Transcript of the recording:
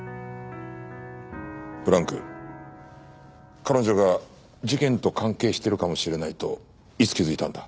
ブランク彼女が事件と関係しているかもしれないといつ気づいたんだ？